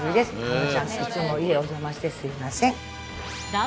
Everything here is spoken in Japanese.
浜ちゃんいつも家お邪魔してすいません。